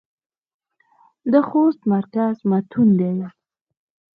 د خوست مرکز متون دى.